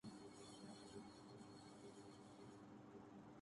حکومت کے کل پرزے مفلوج اور پولیس ڈری ہوئی تھی۔